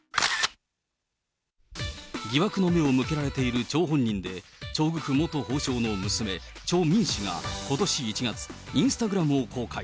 疑惑の目を向けられている張本人で、チョ・グク元法相の娘、チョ・ミン氏がことし１月、インスタグラムを公開。